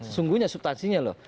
sungguhnya subtansinya loh